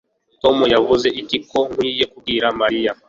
Tom yavuze iki ko nkwiye kubwira Mariya